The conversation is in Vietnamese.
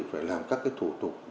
phải làm các thủ tục